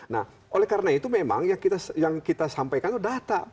nah oleh karena itu memang yang kita sampaikan itu data